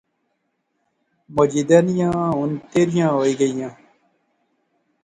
مجیدے نیاں ہن تیریاں ہوئی گیئیاں